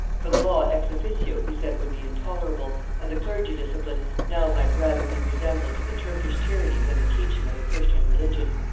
For the law ex officio he said would be intolerable, and the clergy discipline now might rather be resembled to the Turkish tyranny than the teaching of the Christian religion.